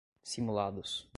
simulados